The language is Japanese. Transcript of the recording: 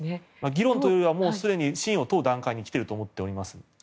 議論というよりはもうすでに信を問う段階に来ていると思います。